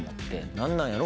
「何なんやろ？